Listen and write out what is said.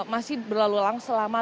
masih berlalu lalang selama